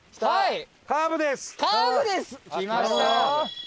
はい！